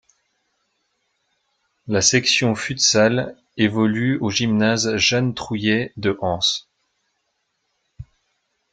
La section futsal évolue au gymnase Jeanne Trouillet de Anse.